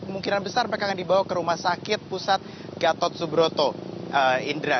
kemungkinan besar mereka akan dibawa ke rumah sakit pusat gatot subroto indra